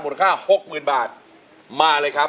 มูลค่า๖หมื่นบาทมาเลยครับ